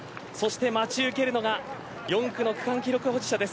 待ち受けるのが、４区の区間記録保持者です。